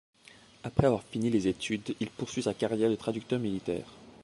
Après avoir fini les études, il poursuit sa carrière de traducteur militaire.